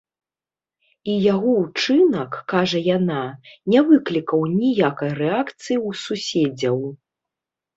І яго ўчынак, кажа яна, не выклікаў ніякай рэакцыі ў суседзяў.